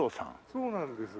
そうなんです。